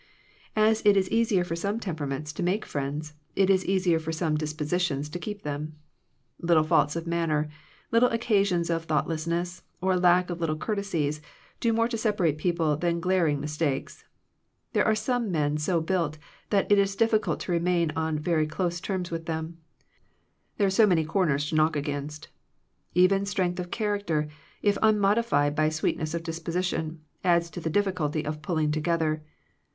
As it is easier for some temperaments to make friends, it is easier for some dis positions to keep them. Little faults of manner, little occasions of thoughtless ness, or lack of the little courtesies, do more to separate people than glaring mis takes. There are some men so built that it is difficult to remain on very close terms with them, there are so many cor ners to knock against. Even strength of character, if unmodified by sweet ness of disposition, adds to the difficulty of pulling together.